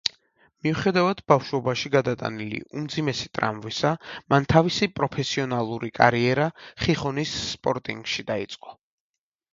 მიუხედავად ბავშვობაში გადატანილი უმძიმესი ტრავმისა, მან თავისი პროფესიონალური კარიერა ხიხონის „სპორტინგში“ დაიწყო.